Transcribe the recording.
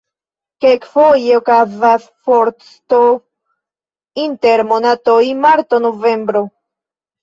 Kelkfoje okazas forsto inter monatoj marto-novembro.